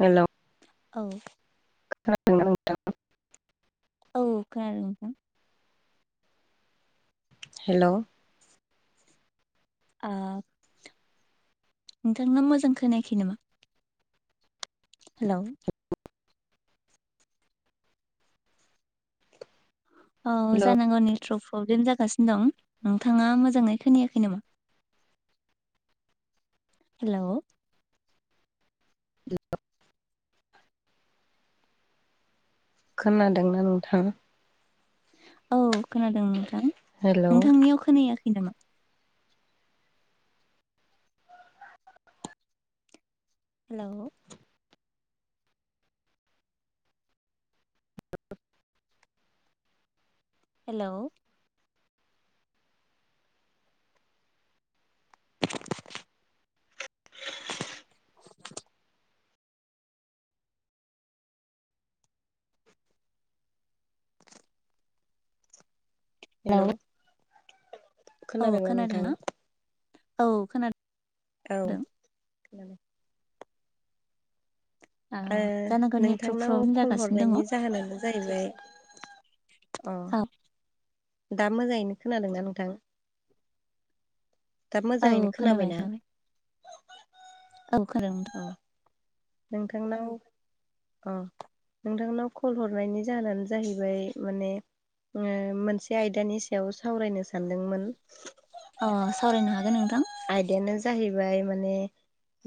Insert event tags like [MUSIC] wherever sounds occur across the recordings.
हेल' औ [UNINTELLIGIBLE] औ खोनादों नोंथां हेल' ओ नोंथाङा मोजां खोनायाखै नामा? हेलौ औ जानांगौ नेटवर्क प्रब्लेम जागासिनो दं नोंथाङा मोजाङै खोनायाखै नामा? हेलौ खोनादोंना नोंथां? औ खोनादों नोंथां हेलौ नोंथांनियाव खोनायाखै नामा? हेलौ हेलौ हेलौ औ खोनादोंना? औ खोनादों औ खोनादों ओ जानांगौ नेटवर्क नोंथांनाव प्रब्लेम कल जागासिनो दङ हरनायनि जाहोनानो जाहैबाय अ औ दा मोजाङैनो खोनादोंना नोंथां? [INAUDIBLE] दा औ मोजाङैनो खोनाबाय खोनाबायना? खोनाबाय औ खोनादों। नोंथां अ नोंथांनाव अ नोंथांनाव कल हरनायनि जाहोनानो जाहैबाय माने ओ मोनसे आयदानि सायाव सावरायनो सानदोंमोन। अ सावरायनो हागोन नोंथां। आयदायानो जाहैबाय माने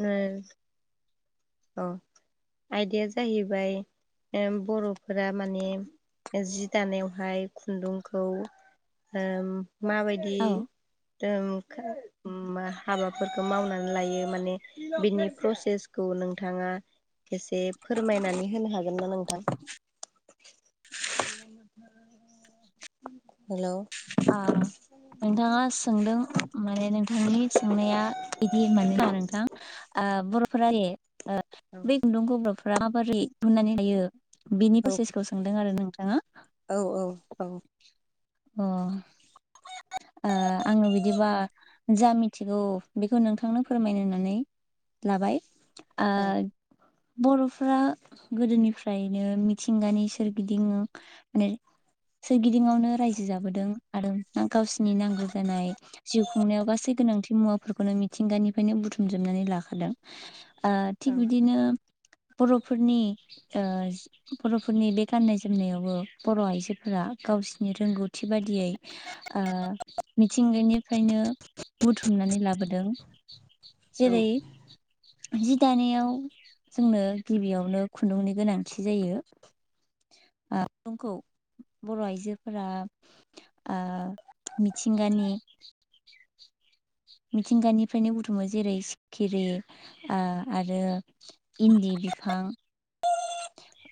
ओ अ आयदाया जाहैबाय ओ बर'फोरा माने जि दानायावहाय खुन्दुंखौ ओम औ माबायदि मा हाबाफोरखौ मावनानै लायो माने बिनि प्रसेसखौ नों नोंथाङा एसे फोरमायनानै होनो हागोन ना नोंथां? हेलौ आ नोंथाङा सोंदों माने नोंथांनि सोंनाया बिदि मान नङा नोंथां आ बर' औ [UNINTELLIGIBLE] बेनि औ प्रसेसखौ सोंदों आरो नोंथाङा। औ औ औ अ आङो बिदिबा जा मिथिगौ बेखौ नोंथांनो फोरमायनानै लाबाय आ औ बर'फ्रा गोदोनिफ्रायनो मिथिंगानि सोरगिदिं माने सोरगिदिङावनो रायजो जाबोदों आरो गावसिरनि नांगौ जानाय जिउ खुंनायाव गासै गोनांथि मुवाफोरखौनो मिथिंगानिफ्रायनो बुथुमजोबनानै लाखादों ओ औ थिग बिदिनो बर'फोरनि ओ बर'फोरनि बे गाननाय जोमनायावबो बर' आइजोफोरा गावसिनि रोंगौथि थि बादियै ओ मिथिंगानि फ्रायनो बुथुमनानै लाबोदों औ जेरै जि दानायाव जोंनो गिबियावनो खुन्दुंनि गोनांथि जायो खौ बर' आइजोफोरा ओ मिथिंगानि मिथिंगानिफ्रायनो बुथुमो जेरै सिखिरि ओ आरो इन्दि बिफां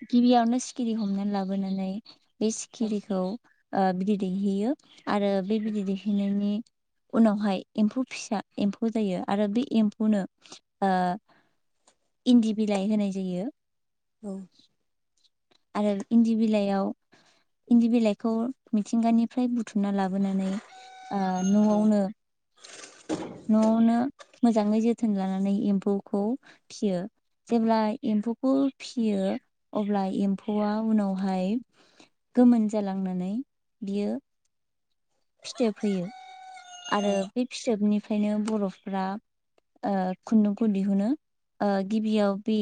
गिबियावनो सिखिरि हमनानै लाबोनानै बे औ सिखिरिखौ ओ बिदै दैहैयो आरो बे बिदै दैहोनायनि उनावहाय एम्फौ फिसा एम्फौ जायो आरो बे एम्फौनो ओ इन्दि बिलाइ होनाय जायो औ [UNINTELLIGIBLE] आरो इन्दि बिलाइयाव इन्दि बिलाइखौ मिथिंगानिफ्राय बुथुमना लाबोनानै ओ न'आवनो [UNINTELLIGIBLE] न'आवनो मोजाङै जोथोन लानानै एम्फौखौ फिसियो जेब्ला एम्फौखौ फिसियो अब्ला एम्फौ एम्फौआ उनावहाय गोमोन जालांनानै बियो फिथोब होयो आरो बे फिथोबनिफ्रायनो बर'फ्रा ओ खुन्दुंखौ दिहुनो ओ गिबियाव बे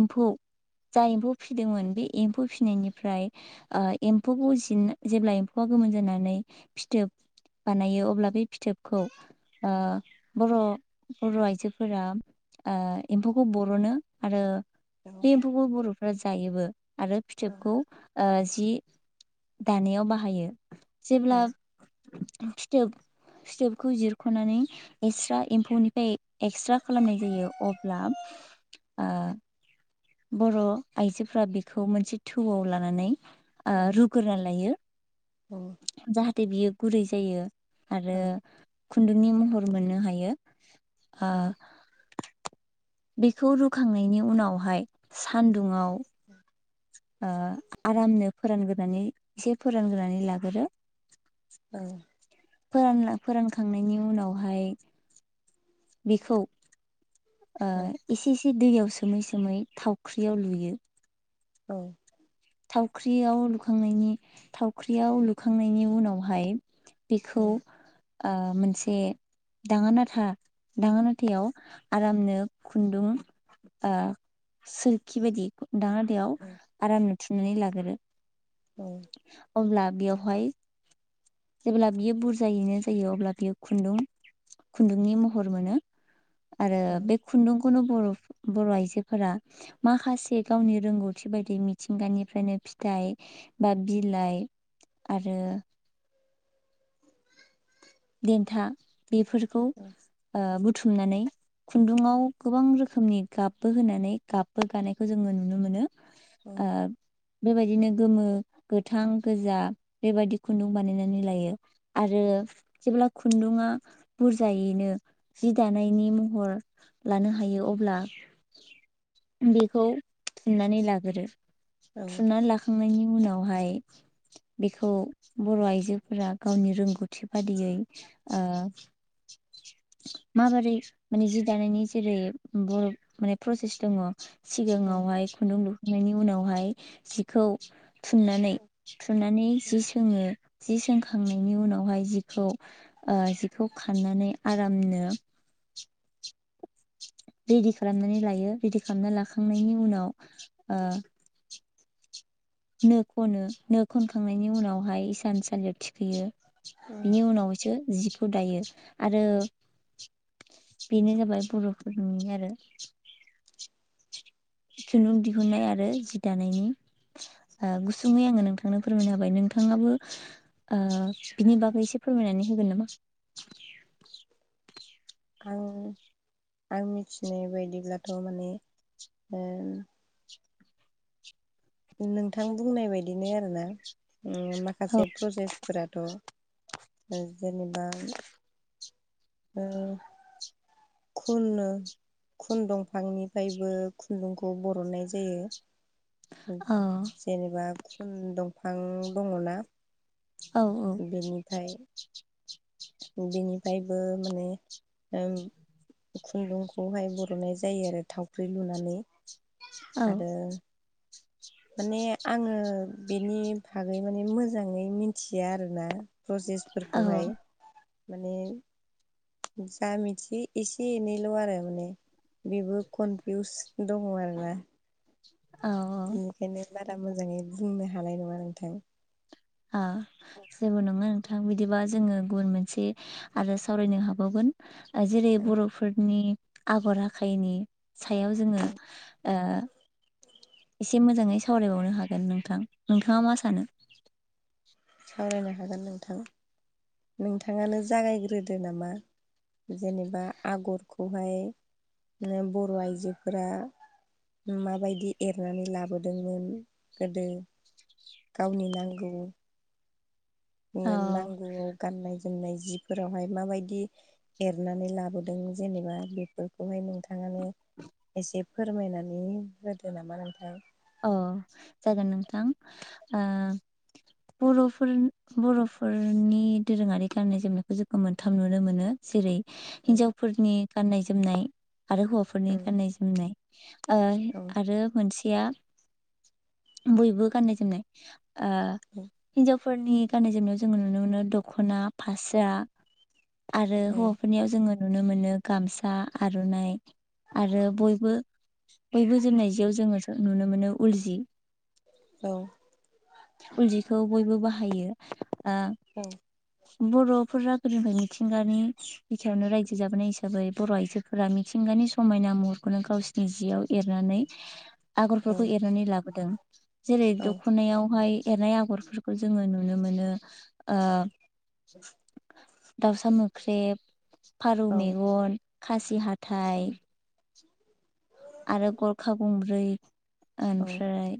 एम्फौ जा एम्फौ फिसिदोंमोन बे एम्फौ फिसिनायनिफ्राय ओ एम्फौखौ जिन जेब्ला एम्फौआ गोमोन जानानै फिथोब बानायो अब्ला बे फिथोबखौ बर' बर' आइजोफोरा ओ एम्फौखौ बर'नो आरो औ बे एम्फौखौ बर'फ्रा जायोबो आरो फिथोबखौ ओ जि दानायाव बाहायो जेब्ला फिथोब फिथोबखौ जिरख'नानै एक्स्रा एम्फौनिफ्राय एक्स्रा खालामनाय जायो अब्ला ओ बर' आइजोफ्रा बेखौ मोनसे थौआव लानानै रुग्रोना लायो अ जाहाथे बियो गुरै जायो आरो खुन्दुंनि महर मोननो हायो आ बेखौ रुखांनायनि उनावहाय सान्दुङाव [UNINTELLIGIBLE] ओ आरामनो फोरानग्रानै एसे फोरानग्रोनानै लागोरो ओ फोराना फोरान खांनायनि उनावहाय बेखौ ओ एसे एसे दैयाव सोमै सोमै थावख्रियाव लुयो औ थावख्रियाव लुखांनायनि थावख्रियाव लुखांनायनि उनावहाय बेखौ ओ मोनसे दाङा नाथा दाङा नाथायाव आरामनो खुन्दुं ओ सोरखि बायदि दाङा नाथायाव आरामनो थुमनानै लाग्रो औ अब्ला बेयावहाय जेब्ला बियो बुरजायैनो जायो अब्ला बियो खुन्दुं खुन्दुंनि महर मोनो आरो बे खुन्दुंखौनो बर' बर' आइजोफोरा माखासे गावनि रोंगौथि बादि मिथिंगानिफ्रायनो फिथाइ बा बिलाइ आरो देन्था बेफोरखौ ओ बुथुमनानै खुन्दुाव गोबां रोखोमनि गाबबो होनानै गाबबो गानायखौ जोङो नुनो मोनो ओब बेबायदिनो गोमो, गोथां, गोजा बेबायदि खुन्दुं बानायनानै लायो। आरो जेब्ला खुन्दुङआ बुरजायैनो जि दानायनि महर लानो हायो अब्ला बेखौ थुननानै लागोरो औ थुननानै लाखा खांनायनि उनावहाय बेखौ बर आइजोफोरा गावनि रोंगौथि बादियै ओ माबोरै मानि जि दानायनि जेरै बर माने प्रसेस दङ औ सिगाङावहाय खुन्दुं लुखांनायनि उनावहाय जिखौ थुननानै थुननानै जि सोङो जि सोंखांनायनि उनावहाय जि खौ ओ जिखौ खाननानै आरामनो रिडि खालामनानै लायो रिडि खालामना लाखांनायनि उनाव ओ नो खनो नो खनखांनायनि उनावहाय इसानसालियाव थिखोयो बिनि उनाव सो जिखौ दायो आरो बेनो जाबाय बर'फोरनि आरो खुन्दुं दिहुननाय आरो जि दानायनि ओ गुसुङै आङो नोंथांनो फोरमायना होबाय नोंथाङाबो ओ बिनि बागै एसे फोरमायनानै होगोन नामा? आं आं मिथिनाय बायदिब्लाथ' माने ओ नोंथां बुंनाय बायदिनो आरोना उम औ माखासे प्रसेस्ट फोराथ' ओ जेनेबा ओ खुननो खुन दंफांनिफ्रायबो खुन्दुंखौ बरननाय जायो। [UNINTELLIGIBLE] औ जेनेबा खुन दंफां दङना? औ औ बेनिफाय बेनिफायबो माने ओ खुन्दुंखौहाय बरनाय जायो आरो थावख्रि लुनानै औ आरो माने आङो बेनि फागै माने मोजाङै मिथिया आरोना औ प्रसेसफोरखौहाय माने जा मिथियो एसे एनैल' आरो माने बेबो कनफिउस दङ आरोना औ औ बेखायनो बारा मोजाङै बुंनो हानाय नङा नोंथां। ओ जेबो नङा नोंथां बिदिबा जोङो गुबुन मोनसे आरो सावरायनो हाबावगोन। जेरै बर'फोरनि आगर आखाइनि सायाव जोङो ओ एसे मोजाङै सावरायबावनो हागोन नोंथां नोंथाङा मा सानो सावरायनो हागोन नोंथां नोंथाङानो जागायग्रोदो नामा। जेनेबा आगरखौहाय नो बर' आइजोफोरा माबायदि एरनानै लाबोदोंमोन गोदो गावनि नांगौ। ज औ नांगौआव गाननाय जोमनाय। एरनानै। एसे फोरमायनानै होदो नामा नोंथां। औ जागोन नोंथां ओ बर'फोर। बर'फोरनि दोरोङारि गाननाय जोमनायखौ जोंखौ मोनथाम नुनो मोनो जेरै। उम हिन्जावफोरनि गाननाय जोमनाय आरो हौवाफोरनि उम गाननाय जोमनाय। ओ औ आरो मोनसेया। बयबो गाननाय जोमनाय ओ उम हिनजाव। फोरनि गाननाय जोमनायाव जोङो नुनो मोनो दख'ना फास्रा। आरो औ हौवाफोरनियाव जोङो। नुनो मोनो गामसा आर'नाइ आरो बयबो। बयबो जोमनाय जियाव जोङो नुनो मोनो उल जि। औ। उल जिखौ बयबो बाहायो। औ बर'फोरा गोदोनिफ्राय मिथिंगानि। बिखायावनो रायजो जाबोनाय हिसाबै बर' आइजोफोरा मिथिंगानि समायना महरखौनो गावसिनि जियाव एरनानै। [INAUDIBLE] आगरफोरखौ एरनानै लाबोदों जेरै औ दख'नायाव। आमहाय एरनाय आगरफोरखौ जोङो नुनो मोनो ओ। दाउसा मोख्रेब फारौ औ मेगन खासि हाथाइ। आरो गरखा गंब्रै औ ओमफ्राय।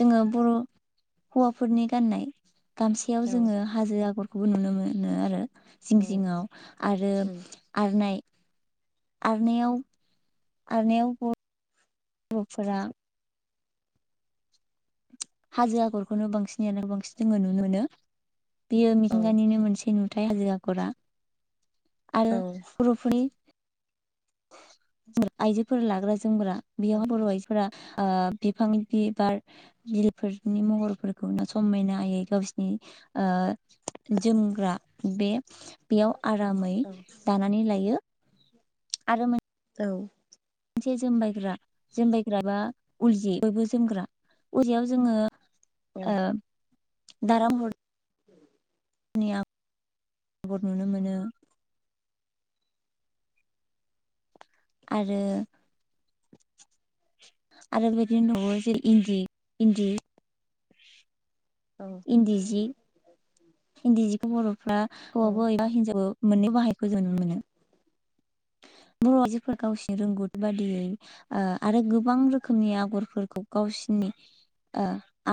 जोङो बर' हौवाफोरनि गाननाय गामसयाव जोङो। हाजो आगरखौबो नुनो मोनो आरो जिं औ जिंआव आरो उम आरनायइ। आरनायाव आरनायाव। बर'फोरा। हाजो आगरखौनो बांसिनयानो बांसिन जोङो नुनो मोनो बेयो औ मिथिंगानिनो मोनसे नु। हाजो आगरा औ आरो बर'फोरनि। आइजोफोर लाग्रा जोमग्रा बेयावहाय बर' आइजोफोरा। ओ बिफांनि बिबार। बिलफोरनि महरफोरखौ ना समायना आयै गावसिनि ओ। जोमग्रा बे बेयाव आरामै औ दानानै लायो। आरो मोन। औ। मोनसे जोमबायग्रा जोमबायग्र बा उल जि बयबो जोमग्रा। अलजियाव जोङो ओ दाराम हर। नि आबद नुनो मोनो। आरो। आरो बेदिनो न' जै इन्दि इन्दि। इनदि जि। हिन्दि जिखौ बर'फ्रा हौवाबो एबा हिन्जाव मोनननो बाहायखौ जुनो मोनो। बर' जफोर गावसिनि रोंगौथि बादियै आरो गोबां रोखोमनि आगरफोरखौ गावसिनि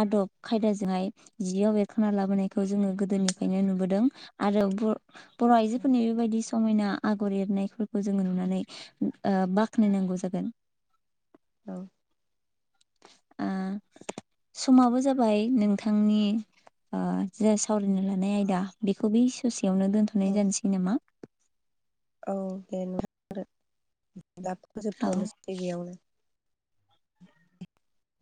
आदब खायदाजोंहाय जियाव बेरखांा लाबोनायखौ जोङो गोदोनिफ्रायनो नुबोदों आरो बर' आइजोफोरनि बेबायदि समायना आगर एरनायखौ खौ जोङो नुनानै बाख्नायनांगौ जागोन औ ओ [INAUDIBLE] समाबो जाबाय नोंथांनि ओ जा सावरायनो लानाय आयदा बेखौ बे ससेयावनो दोनथ'नाय औ जानोसै नामा? औ दे न आरो दा औ फोजोबथ'नोसैै बेयावनो। [INAUDIBLE]